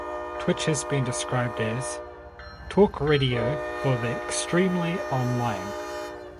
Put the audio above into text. Twitch has been described as "talk radio for the extremely online".